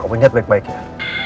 kamu lihat baik baik ya